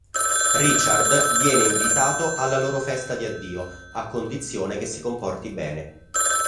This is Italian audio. Richard viene invitato alla loro festa di addio a condizione che si comporti bene.